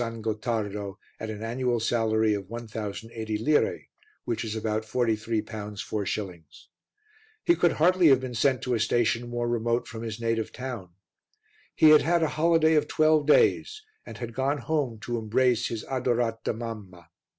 Gottardo, at an annual salary of 1,080 lire, which is about 43 pounds 4s. He could hardly have been sent to a station more remote from his native town. He had had a holiday of twelve days, and had gone home to embrace his adorata mamma.